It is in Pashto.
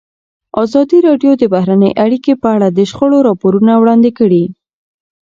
ازادي راډیو د بهرنۍ اړیکې په اړه د شخړو راپورونه وړاندې کړي.